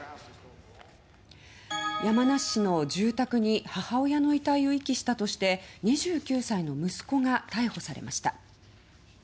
山梨市の住宅に母親の遺体を遺棄したとして２９歳の息子が逮捕されました。